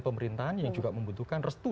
pemerintahan yang juga membutuhkan restu